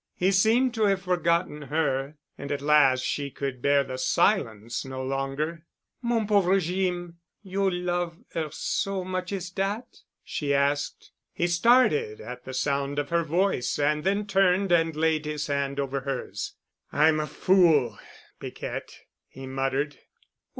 He seemed to have forgotten her—and at last she could bear the silence no longer. "Mon pauvre Jeem, you love 'er so much as dat?" she asked. He started at the sound of her voice and then turned and laid his hand over hers. "I'm a fool, Piquette," he muttered.